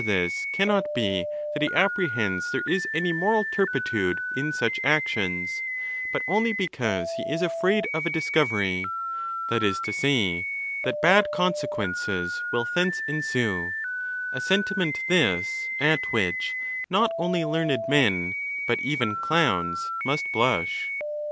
this cannot be that he apprehends there is any moral turpitude in such actions, but only because he is afraid of a discovery, that is to say, that bad consequences will thence ensue—a sentiment this at which not only learned men but even clowns must blush.